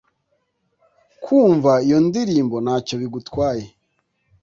kumva iyo ndirimbo nta cyo bigutwaye